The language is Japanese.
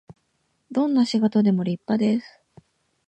どんな仕事でも立派です